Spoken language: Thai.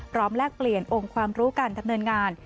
แลกเปลี่ยนองค์ความรู้การดำเนินงาน